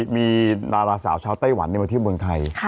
มีดาราสาวชาวไต้หวันมาเที่ยวเมืองไทย